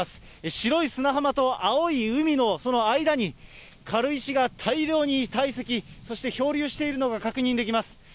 白い砂浜と青い海のその間に、軽石が大量に堆積、そして漂流しているのが確認できます。